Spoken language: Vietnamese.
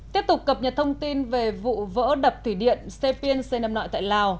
tiếp tục cập nhật thông tin về vụ vỡ đập thủy điện stapiens xây nằm nọi tại lào